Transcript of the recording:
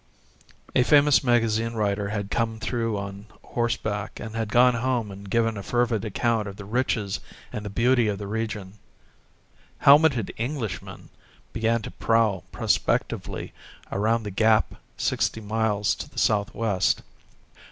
A famous magazine writer had come through on horseback and had gone home and given a fervid account of the riches and the beauty of the region. Helmeted Englishmen began to prowl prospectively around the gap sixty miles to the southwest.